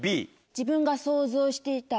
自分が想像していた？